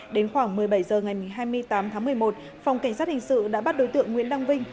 đến khoảng một mươi bảy h ngày hai mươi tám tháng một mươi một phòng cảnh sát hình sự đã bắt đối tượng nguyễn đăng vinh